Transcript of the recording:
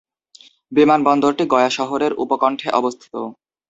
বিমানবন্দরটি গয়া শহরের উপকন্ঠে অবস্থিত।